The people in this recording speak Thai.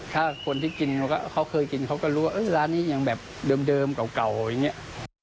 ถ้าคนที่กินเขาเคยกินเขาก็รู้ว่าร้านนี้ยังแบบเดิมเก่าอย่างนี้